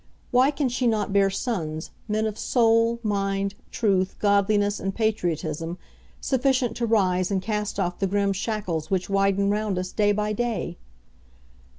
Why can she not bear sons, men of soul, mind, truth, godliness, and patriotism sufficient to rise and cast off the grim shackles which widen round us day by day?